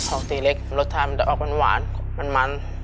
ออกตีเล็กรสชาติมันจะออกมันหวานมัน